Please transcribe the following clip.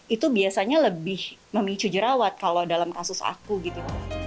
itu biasanya lebih memicu jerawat kalau dalam kasus aku gitu